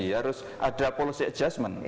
harus ada policy adjustment